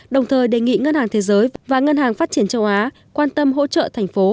đồng thời đề nghị ngân hàng thế giới và ngân hàng phát triển châu á quan tâm hỗ trợ thành phố